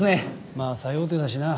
まあ最大手だしな。